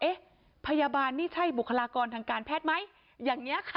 พยาบาลนี่ใช่บุคลากรทางการแพทย์ไหมอย่างนี้ค่ะ